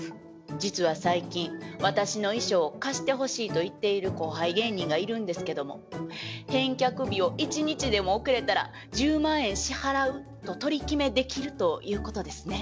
実は最近私の衣装を借してほしいと言っている後輩芸人がいるんですけども「返却日を１日でも遅れたら１０万円支払う」と取り決めできるということですね？